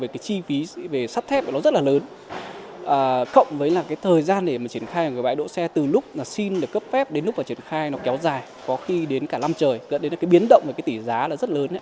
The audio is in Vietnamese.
chi phí về sắp thép rất là lớn cộng với thời gian để triển khai bãi đỗ xe từ lúc xin cấp phép đến lúc triển khai kéo dài có khi đến cả năm trời gần đến biến động tỷ giá rất lớn